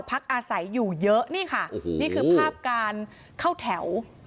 พักอาศัยอยู่เยอะนี่ค่ะนี่คือภาพการเข้าแถว